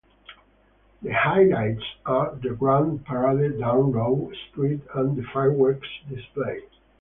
The highlights are the Grand Parade down Rowe Street and the fireworks display.